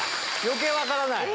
余計分からない！